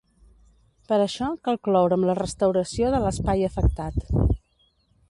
Per això, cal cloure amb la restauració de l'espai afectat.